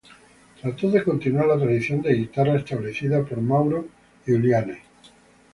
Trató de continuar la tradición de guitarra establecida por Mauro Giuliani.